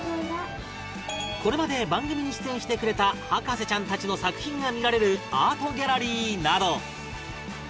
これまで番組に出演してくれた博士ちゃんたちの作品が見られるあーとぎゃらりーなど